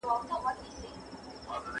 هيڅ نه وايو د خوبانو په فرمان کښې